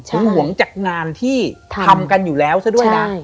ห่วงจากงานที่ทำกันอยู่แล้วซะด้วยนะ